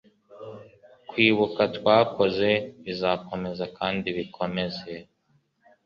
kwibuka twakoze bizakomeza kandi bikomeze